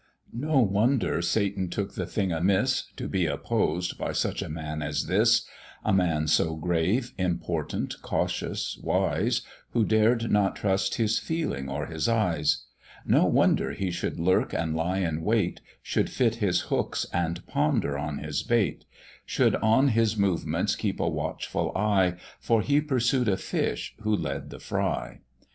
No wonder Satan took the thing amiss, To be opposed by such a man as this A man so grave, important, cautious, wise, Who dared not trust his feeling or his eyes; No wonder he should lurk and lie in wait, Should fit his hooks and ponder on his bait; Should on his movements keep a watchful eye; For he pursued a fish who led the fry.